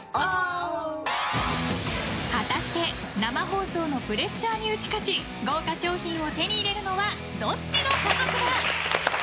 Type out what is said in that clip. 果たして生放送のプレッシャーに打ち勝ち豪華賞品を手に入れるのはどっちの家族だ？